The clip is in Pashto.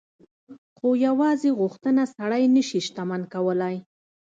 خو يوازې غوښتنه سړی نه شي شتمن کولای.